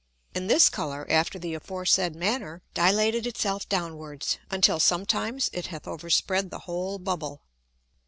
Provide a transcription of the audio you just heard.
And this Colour, after the aforesaid manner, dilated it self downwards, until sometimes it hath overspread the whole Bubble.